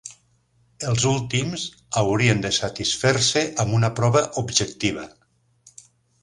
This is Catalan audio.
Els últims haurien de satisfer-se amb una prova objectiva.